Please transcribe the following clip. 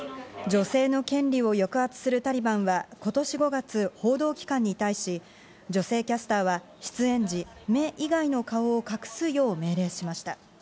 女性の権利を抑圧するタリバンはことし５月、報道機関に対し、女性キャスターは出演時、目以外の顔を隠すよう命令しました。